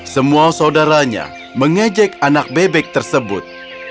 semua saudaranya mengejek anak bebek tersebut